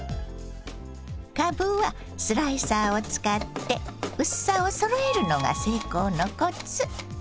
かぶはスライサーを使って薄さをそろえるのが成功のコツ。